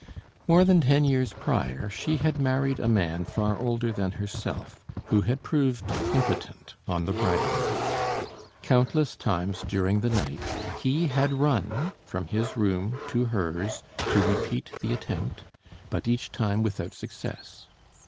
More than ten years prior she had married a man far older than herself, who had proved impotent on the bridal night. Countless times during the night he had run from his room to hers to repeat the attempt, but each time without success.